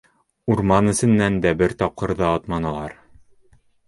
Урман эсенән дә бер тапҡыр ҙа атманылар.